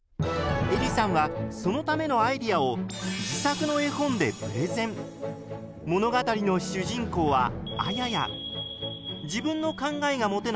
えりさんはそのためのアイデアを自作の物語の主人公はあやや。